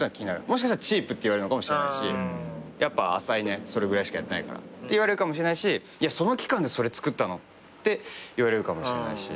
もしかしたらチープって言われるのかもしれないし「やっぱ浅いねそれぐらいしかやってないから」って言われるかもしれないし「その期間でそれ作ったの？」って言われるかもしれないし。